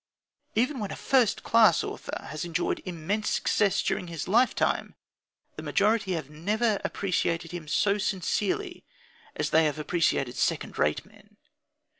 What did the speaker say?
Even when a first class author has enjoyed immense success during his lifetime, the majority have never appreciated him so sincerely as they have appreciated second rate men.